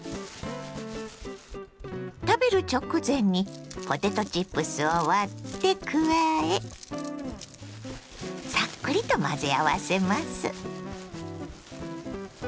食べる直前にポテトチップスを割って加えサックリと混ぜ合わせます。